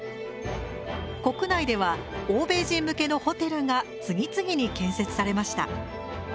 国内では欧米人向けのホテルが次々に建設されました。